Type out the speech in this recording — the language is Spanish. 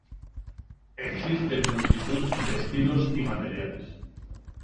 Existen multitud de estilos y materiales.